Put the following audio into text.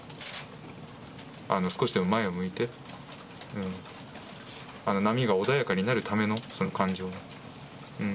少しでも前を向いて、波が穏やかになるための感情が。